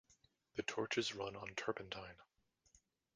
The torches run on turpentine.